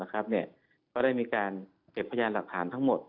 ก็ได้มีการเก็บพยานหลักฐานทั้งหมด